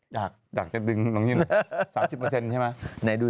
อยากจะดึงตรงนี้หน่อย๓๐เปอร์เซ็นต์ใช่ไหม